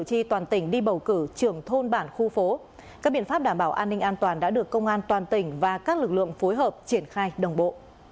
các biện pháp đảm bảo an ninh an toàn đã được công an toàn tỉnh và các lực lượng phối hợp triển khai đồng bộ